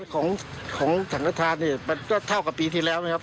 ของสังฆฐานเนี่ยมันก็เท่ากับปีที่แล้วนะครับ